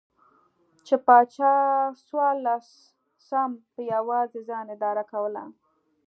چې پاچا څوارلسم په یوازې ځان اداره کوله.